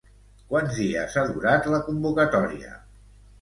Quants dies ha durat la convocatòria?